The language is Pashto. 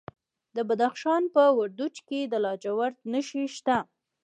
د بدخشان په وردوج کې د لاجوردو نښې شته.